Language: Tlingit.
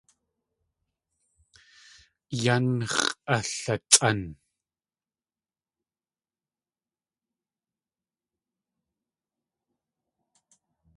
Yan x̲ʼalatsʼán!